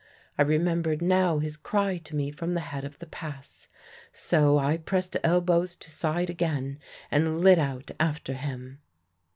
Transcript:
I remembered now his cry to me from the head of the pass. So I pressed elbows to side again and lit out after him.